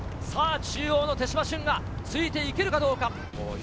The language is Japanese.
さあ、中央の手島駿がついていけるかどうか。